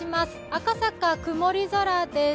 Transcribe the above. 赤坂、曇り空です。